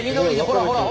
ほらほら！